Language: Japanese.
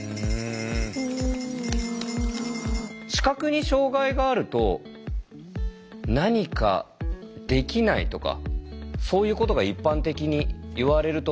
視覚に障害があると何かできないとかそういうことが一般的にいわれると思うんですけれども。